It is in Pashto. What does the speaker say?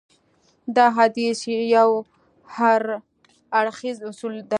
دا حديث يو هراړخيز اصول دی.